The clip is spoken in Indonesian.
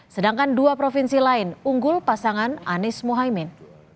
sedangkan dua provinsi lain unggul pasangan anies mohaimin